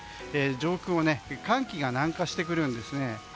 上空を寒気が南下してくるんですね。